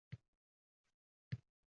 Hozirgina “Duel” koʻrsatuvini koʻrdim.